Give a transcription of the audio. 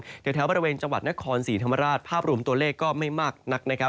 แต่แถวแถวบริเวณจังหวัดนครศรีธรรมราชภาพรวมตัวเลขก็ไม่มากนัก